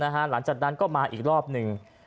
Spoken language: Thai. หลังจากนั้นก็มาอีกรอบหนึ่ง